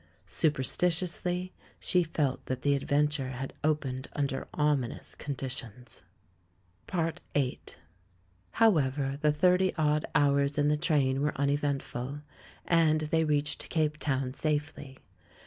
Superstitiously she felt that the adventure had opened under ominous conditions. VIII HovTEVER, the thirty odd hours in the train were uneventful, and they reached Cape Town safely.